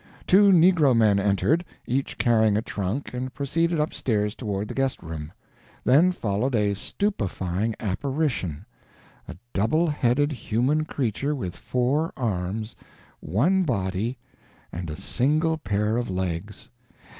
Two negro men entered, each carrying a trunk, and proceeded upstairs toward the guest room. Then followed a stupefying apparition a double headed human creature with four arms, one body, and a single pair of legs!